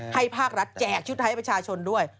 ภาครัฐแจกชุดไทยให้ประชาชนด้วย